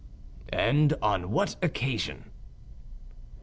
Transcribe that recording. "And on what occasion?"